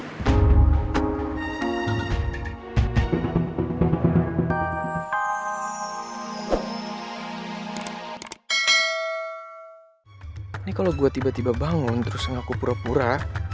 ini kalau gue tiba tiba bangun terus ngaku pura pura